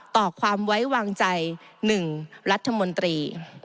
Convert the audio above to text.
ต่อความไว้วางใจ๑รัฐมนตรี